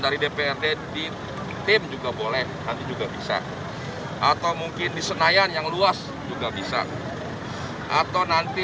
dari dprd di tim juga boleh nanti juga bisa atau mungkin di senayan yang luas juga bisa atau nanti